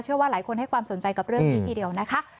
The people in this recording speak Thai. ว่าหลายคนให้ความสนใจกับเรื่องนี้ทีเดียวนะคะ